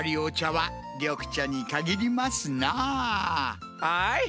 はい。